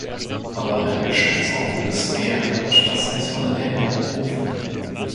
Aber eine Geschäftsordnung ist mehr, und das muss man in Erinnerung rufen.